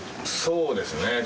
そうですね。